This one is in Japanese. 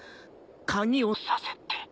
鍵を挿せって。